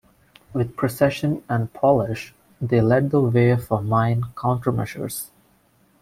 With precision and polish, they led the way for mine countermeasures.